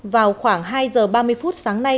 vào khoảng hai h ba mươi phút sáng nay